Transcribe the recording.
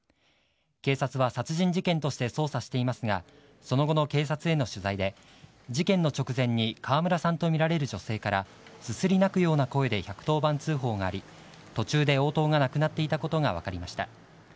警察は殺人事件として捜査していますが、その後の警察への取材で、事件の直前に川村さんと見られる女性から、すすり泣くような声で１１０番通報があり、途中で応答がなくなっていたことが分かりました。